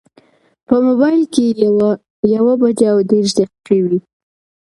په مبایل کې یوه بجه او دېرش دقیقې وې.